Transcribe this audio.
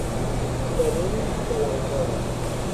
Venim de l'Alcora.